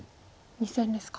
２線ですか。